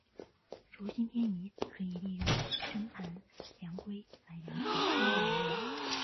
轴心偏移可以利用针盘量规来量测。